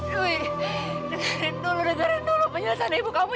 dewi dengerin dulu dengerin dulu penyelesaian ibu kamu